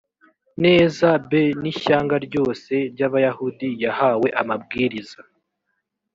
neza b n ishyanga ryose ry abayahudi yahawe amabwiriza